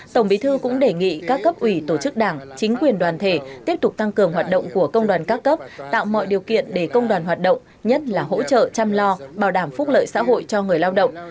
tổng bí thư cũng đề nghị các cấp ủy tổ chức đảng chính quyền đoàn thể tiếp tục tăng cường hoạt động của công đoàn các cấp tạo mọi điều kiện để công đoàn hoạt động nhất là hỗ trợ chăm lo bảo đảm phúc lợi xã hội cho người lao động